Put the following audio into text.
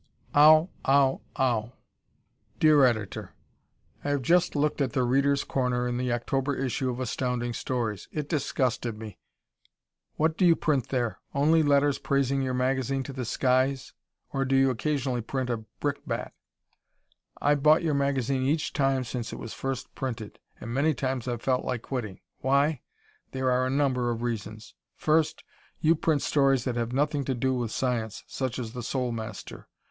Ow! Ow! Ow! Dear Editor: I have just looked at "The Reader's Corner" in the October issue of Astounding Stories. It disgusted me. What you print there only letters praising your magazine to the skies? or do you occasionally print a brickbat? I've bought your magazine each time since it was first printed. And many times I've felt like quitting. Why? There are a number of reasons. First, you print stories that have nothing to do with science, such as "The Soul Master."